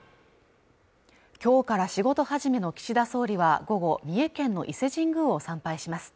今日から仕事始めの岸田総理は午後三重県の伊勢神宮を参拝します